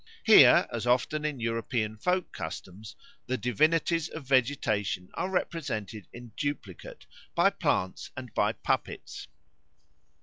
Here, as often in European folk custom, the divinities of vegetation are represented in duplicate, by plants and by puppets.